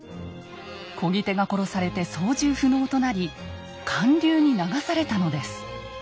こぎ手が殺されて操縦不能となり還流に流されたのです。